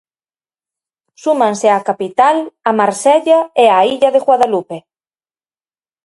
Súmanse á capital, a Marsella e á illa de Guadalupe.